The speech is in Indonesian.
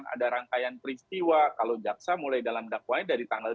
ada rangkaian peristiwa kalau jaksa mulai dalam dakwahnya dari tanggal tujuh